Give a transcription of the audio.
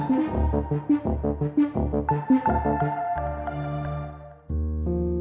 din teral koordinat muda takich